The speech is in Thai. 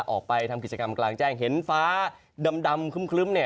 ออกไปทำกิจกรรมกลางแจ้งเห็นฟ้าดำคลึ้ม